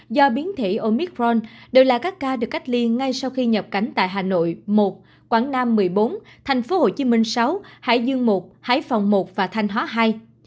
do biến thể omicron đều là các ca được cách ly ngay sau khi nhập cảnh tại hà nội một quảng nam một mươi bốn thành phố hồ chí minh sáu hải dương một hải phòng một và thanh hóa hai